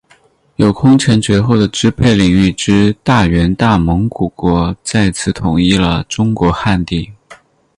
有空前绝后的支配领域之大元大蒙古国再次统一了中国汉地。